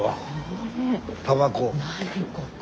「たばこ」。